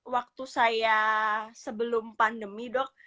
waktu saya sebelum pandemi dok